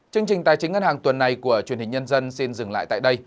chương trình tài chính ngân hàng tuần này của truyền hình nhân dân xin dừng lại tại đây